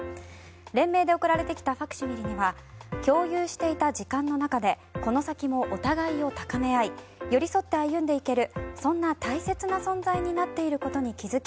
連名で送られてきたファクシミリには共有してきた時間の中でこれからお互いを高め合い寄り添って歩んでいけるそんな大切な存在になっていることに気付き